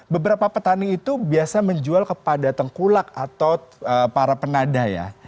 beberapa petani itu biasa menjual kepada tengkulak atau para penadah ya